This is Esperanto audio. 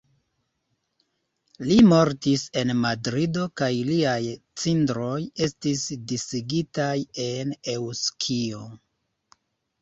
Li mortis en Madrido kaj liaj cindroj estis disigitaj en Eŭskio.